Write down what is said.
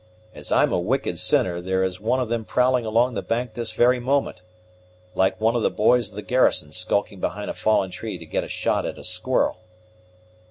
As I'm a wicked sinner, there is one of them prowling along the bank this very moment, like one of the boys of the garrison skulking behind a fallen tree to get a shot at a squirrel!"